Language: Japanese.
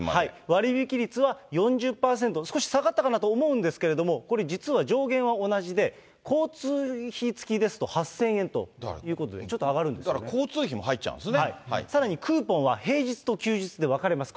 割引率は４０％、少し下がったかなと思うんですけれども、これ、実は上限は同じで、交通費付きですと８０００円ということで、ちょっと上がるんですだから交通費も入っちゃうんさらにクーポンは、平日と休日で分かれます。